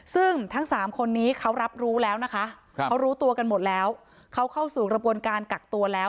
ซึ่งทั้งสามคนนี้เขารับรู้แล้วนะคะเขารู้ตัวกันหมดแล้วเขาเข้าสู่กระบวนการกักตัวแล้ว